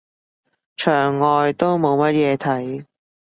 牆外都冇乜嘢睇